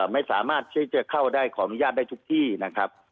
ไม่สามารถที่จะเข้าได้ขออนุญาตได้ทุกที่นะครับ